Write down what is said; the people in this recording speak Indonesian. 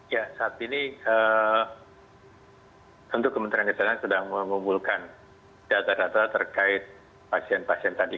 ya saat ini tentu kementerian kesehatan sudah mengumpulkan data data terkait pasien pasien tadi